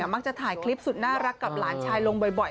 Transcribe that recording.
มักจะถ่ายคลิปสุดน่ารักกับหลานชายลงบ่อย